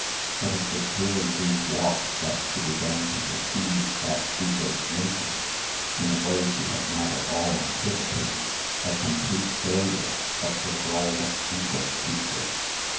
But it was during these walks that she began to perceive that she was making, in a way she had not at all anticipated, a complete failure of her rôle of English teacher.